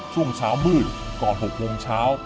ช่วงเช้ามืดก่อน๖โมงเช้า